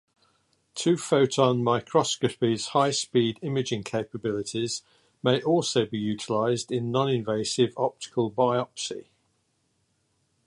Two-photon microscopy's high speed imaging capabilities may also be utilized in noninvasive optical biopsy.